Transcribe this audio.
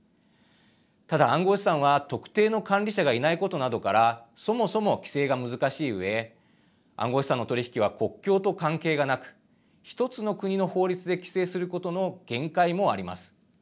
ただ、暗号資産は特定の管理者がいないことなどからそもそも規制が難しいうえ暗号資産の取り引きは国境と関係がなく１つの国の法律で規制することの限界もあります。